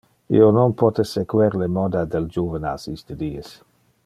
Io non pote sequer le moda del juvenas iste dies.